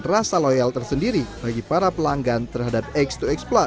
rasa loyal tersendiri bagi para pelanggan terhadap x dua x plus sebenarnya di awal awal